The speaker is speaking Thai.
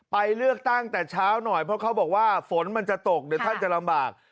ไปเลือกตั้งแต่เช้าหน่อยเพราะเขาบอกว่าฝนมันจะตกเดี๋ยวท่านจะลำบาก